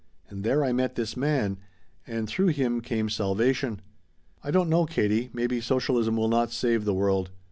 And there I met this man and through him came salvation. "I don't know, Katie, maybe socialism will not save the world.